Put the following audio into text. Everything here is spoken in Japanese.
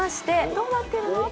どうなっているの？